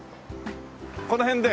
この辺で。